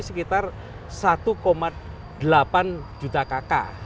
sekitar satu delapan juta kakak